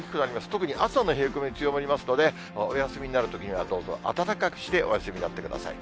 特に朝の冷え込み強まりますので、お休みなるときには、どうぞ暖かくしてお休みになってください。